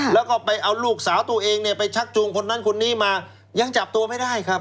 แล้วก็ไปเอาลูกสาวตัวเองเนี่ยไปชักจูงคนนั้นคนนี้มายังจับตัวไม่ได้ครับ